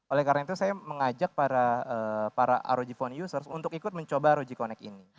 oleh karena itu saya mengajak para rog phone user untuk ikut mencoba rog connect ini